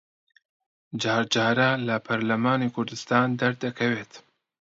جار جارە لە پەرلەمانی کوردستان دەردەکرێت